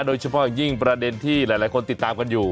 โดยเฉพาะอย่างยิ่งประเด็นที่หลายคนติดตามกันอยู่